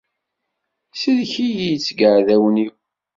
Sellek-iyi-d seg yiɛdawen-iw.